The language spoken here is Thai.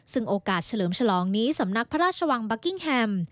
ซึ่งโอกาสเฉลิมฉลองนี้สำนักพระราชวังบัคกิ้งแฮม